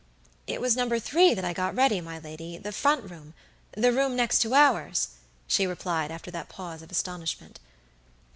"It was number three that I got ready, my ladythe front roomthe room next to ours," she replied, after that pause of astonishment.